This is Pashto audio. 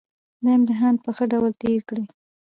دا امتحان په ښه ډول تېر کړئ